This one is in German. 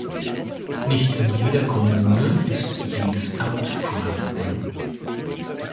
Nicht in jeder Kommune ist jedes Amt vorhanden.